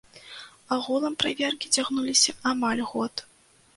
Агулам, праверкі цягнуліся амаль год.